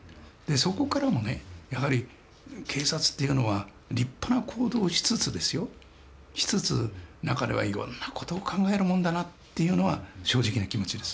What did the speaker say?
そこからもねやはり警察というのは立派な行動をしつつですよしつつ中ではいろんな事を考えるもんだなというのは正直な気持ちです。